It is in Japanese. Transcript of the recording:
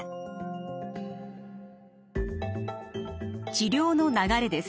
治療の流れです。